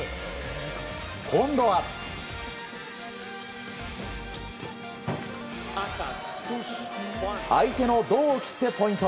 今度は相手の胴を切ってポイント。